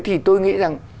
thì tôi nghĩ rằng